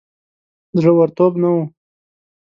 زړه ورتوب نه وو.